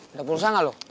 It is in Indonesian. ada pulsa gak lu